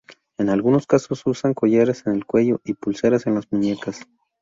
En algunos casos usan collares en el cuello y pulseras en las muñecas.